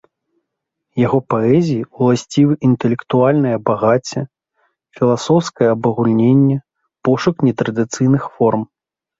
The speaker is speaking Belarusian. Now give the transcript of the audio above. Яго паэзіі ўласцівы інтэлектуальнае багацце, філасофскае абагульненне, пошук нетрадыцыйных форм.